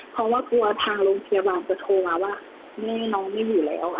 เพราะว่ากลัวทางโรงพยาบาลจะโทรมาว่าแม่น้องไม่อยู่แล้ว